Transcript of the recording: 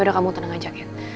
yaudah kamu tenang aja